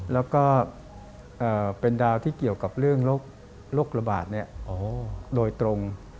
แล้วก็เป็นดาวที่เกี่ยวกับเรื่องโรคระบาดโดยตรง